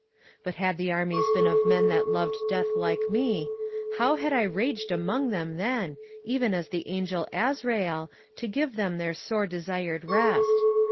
But had the armies been of men that loved death like me, how had I raged among them then, even as the angel Azrael to give them their sore desired rest!